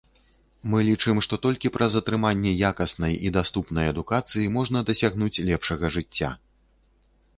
Мы лічым, што толькі праз атрыманне якаснай і даступнай адукацыі можна дасягнуць лепшага жыцця.